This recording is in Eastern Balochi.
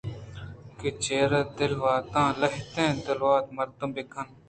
کہ چرے دلوتاں لہتیں دلوت مردم بہ کن